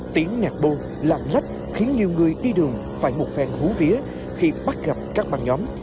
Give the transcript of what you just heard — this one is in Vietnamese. tiếng nhạc bồn lạc lách khiến nhiều người đi đường phải một phèn hú vía khi bắt gặp các băng nhóm